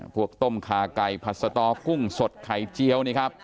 พวกต้มคาไก่ผัดสะตอกุ้งสดไข่เจี๊ยวนะครับ